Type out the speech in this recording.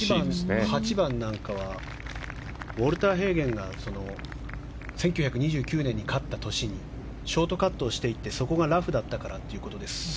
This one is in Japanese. ８番なんかはウォルター・ヘイゲンが１９２９年に勝った年にショートカットをしていってそこがラフだったからということです。